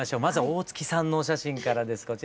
まずは大月さんのお写真からです。